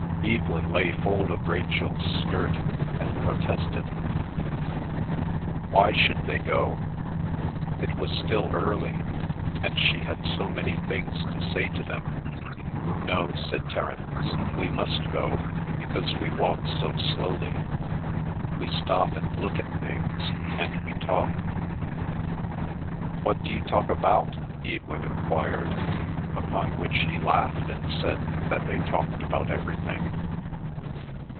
Evelyn laid hold of Rachel's skirt and protested. Why should they go? It was still early, and she had so many things to say to them. "No," said Terence, "we must go, because we walk so slowly. We stop and look at things, and we talk." "What d'you talk about?" Evelyn enquired, upon which he laughed and said that they talked about everything.